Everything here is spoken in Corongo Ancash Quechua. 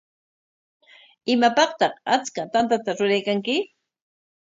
¿Imapaqtaq achka tantata ruraykanki?